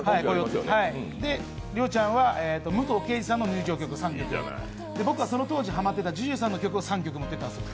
で、良ちゃんは武藤敬司さんの入場曲とかで僕はその当時ハマってたＪＵＪＵさんの曲を３曲持ってたんですよ。